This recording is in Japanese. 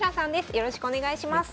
よろしくお願いします。